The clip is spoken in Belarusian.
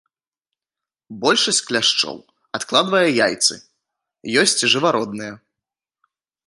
Большасць кляшчоў адкладвае яйцы, ёсць жывародныя.